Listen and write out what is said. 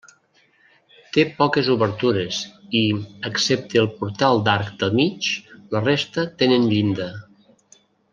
Té poques obertures i, excepte el portal d'arc de mig, la resta tenen llinda.